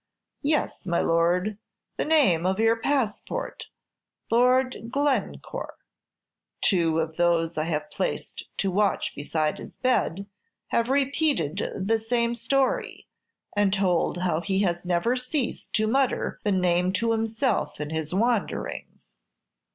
"Yes, my Lord, the name of your passport, Lord Glen core. Two of those I have placed to watch beside his bed have repeated the same story, and told how he has never ceased to mutter the name to himself in his wanderings."